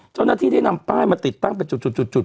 เจ้าหน้าที่ได้นำป้ายมาติดตั้งเป็นจุด